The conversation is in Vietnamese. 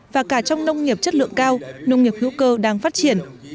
và cả trong nông nghiệp chất lượng cao nông nghiệp hữu cơ đang phát triển